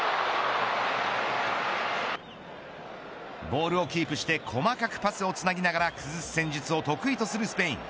ボールをキープして細かくパスをつなぎながら崩す戦術を得意とするスペイン。